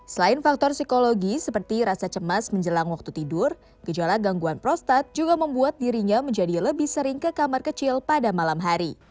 selain faktor psikologi seperti rasa cemas menjelang waktu tidur gejala gangguan prostat juga membuat dirinya menjadi lebih sering ke kamar kecil pada malam hari